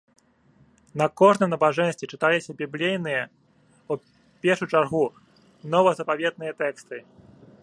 На кожным набажэнстве чыталіся біблійныя, у першую чаргу, новазапаветныя тэксты.